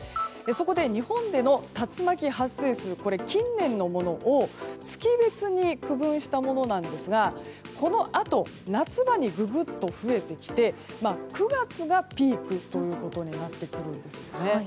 そこで、日本での竜巻発生数近年のものを月別に区分したものなんですがこのあと夏場にググっと増えてきて９月がピークということになってくるんですよね。